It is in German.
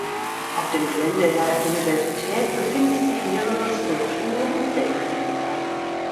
Auf dem Gelände der Universität befinden sich mehrere Skulpturen und Denkmäler.